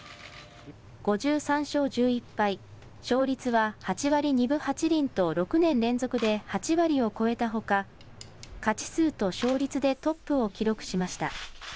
５３勝１１敗、勝率は８割２分８厘と６年連続で８割を超えたほか勝ち数と勝率でトップを記録しました。